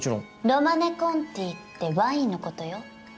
ロマネ・コンティってワインのことよ。